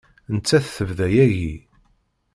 Nettat tebda yagi.